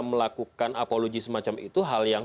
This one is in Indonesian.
melakukan apologi semacam itu hal yang